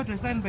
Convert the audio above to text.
sudah stand by